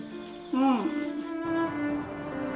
うん。